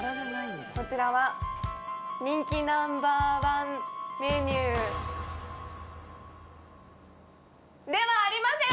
こちらは人気Ｎｏ．１メニューではありません！